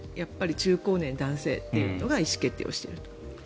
中高年男性が意思決定をしていると。